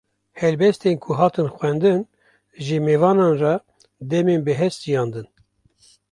Helbestên ku hatin xwendin, ji mêvanan re demên bi hest jiyandin